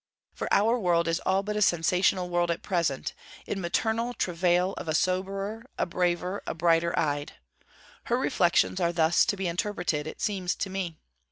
For our world is all but a sensational world at present, in maternal travail of a soberer, a braver, a brighter eyed. Her reflections are thus to be interpreted, it seems to me.